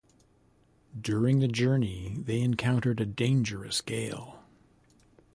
During the journey, they encountered a dangerous gale.